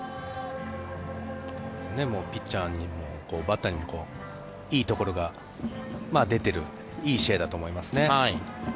ピッチャーにもバッターにもいいところが出ているいい試合だと思いますね。